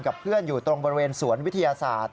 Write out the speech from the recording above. เพื่อนอยู่ตรงบริเวณสวนวิทยาศาสตร์